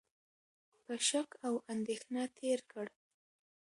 په شک او اندېښنه تېر کړ،